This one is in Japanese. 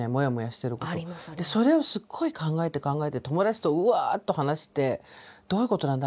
それをすっごい考えて考えて友達とウワッと話して「どういうことなんだ？